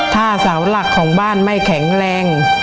ถ้าเสาหลักของบ้านไม่แข็งแรง